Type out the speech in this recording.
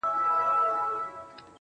د تورو سترگو وه سورخۍ ته مي.